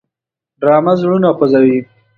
ډرامه زړونه خوځوي